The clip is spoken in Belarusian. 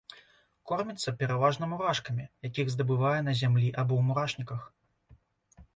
Корміцца пераважна мурашкамі, якіх здабывае на зямлі або ў мурашніках.